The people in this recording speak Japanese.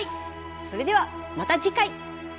それではまた次回！